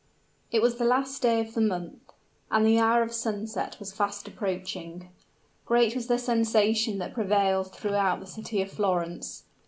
It was the last day of the month; and the hour of sunset was fast approaching. Great was the sensation that prevailed throughout the city of Florence.